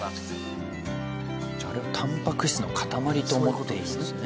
じゃああれはタンパク質の固まりと思っていいんですね。